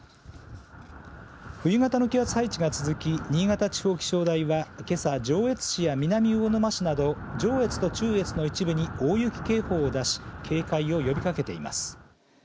冬型の気圧配置が続き新潟地方気象台は、けさ上越市や南魚沼市など上越と中越の一部に大雪警報を出し警戒を呼びかけています。